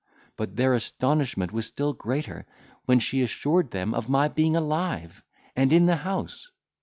But their astonishment was still greater, when she assured them of my being alive, and in the house.